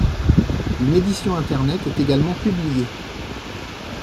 Une édition internet est également publiée.